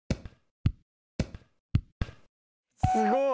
すごい！